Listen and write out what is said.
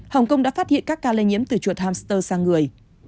hồng kông đã phát hiện các ca lây nhiễm từ chuột hamster sang người